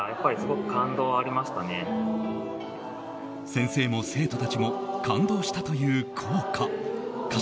先生も生徒たちも感動したという校歌。